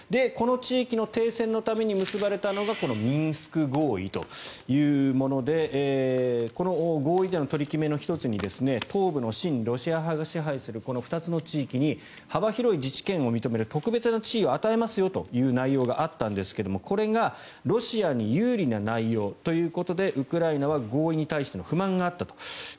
この地域の停戦のために結ばれたのがミンスク合意というものでこの合意での取り決めの１つに東部の親ロシア派が支配する２つの地域に幅広い自治権を認める特別な地位を与えますよというのがあったんですがこれがロシアに有利な内容ということでウクライナは合意に対しても不満があったと。